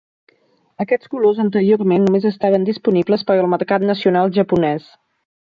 Aquests colors anteriorment només estaven disponibles per al mercat nacional japonès.